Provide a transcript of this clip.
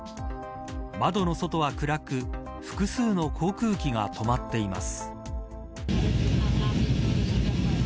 窓の外は暗く複数の航空機が止まっています。